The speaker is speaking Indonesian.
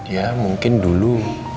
ya mungkin dulu